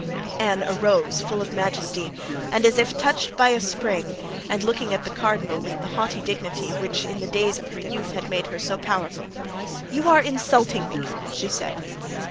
Anne arose, full of majesty, and as if touched by a spring, and looking at the cardinal with the haughty dignity which in the days of her youth had made her so powerful: "You are insulting me!" she said.